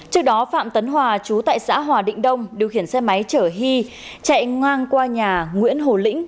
trước đó phạm tấn hòa chú tại xã hòa định đông điều khiển xe máy chở hy chạy ngang qua nhà nguyễn hồ lĩnh